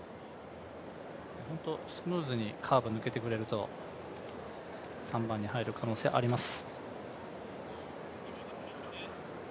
スムーズにカーブを抜けてくれると３番に入る可能性あります。